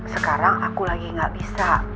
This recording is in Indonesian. sekarang aku lagi gak bisa